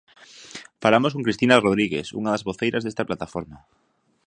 Falamos con Cristina Rodrígues, unha das voceiras desta plataforma.